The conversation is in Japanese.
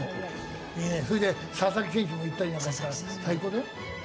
それで佐々木選手も行ったりなんかしたら最高だよ。